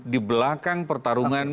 di belakang pertarungan